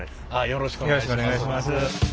よろしくお願いします。